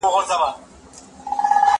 زه به سبا د زده کړو تمرين وکړم؟